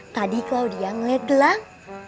tadi claudia ngeliat gelang